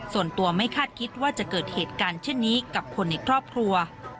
ส่วนตัวไม่คาดคิดว่าจะเกิดเหตุการณ์เช่นนี้กับคนในครอบครัว